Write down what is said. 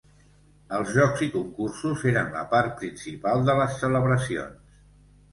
Els jocs i concursos eren la part principal de les celebracions.